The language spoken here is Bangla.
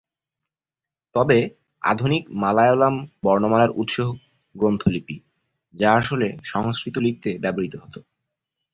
তবে আধুনিক মালয়ালম বর্ণমালার উৎস গ্রন্থ লিপি, যা আসলে সংস্কৃত লিখতে ব্যবহৃত হত।